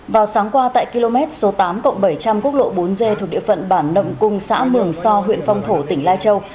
vào sáng qua tại km số tám bảy trăm linh quốc lộ bốn g thuộc địa phận bản nậm cung xã mường so huyện phong thổ tỉnh lai châu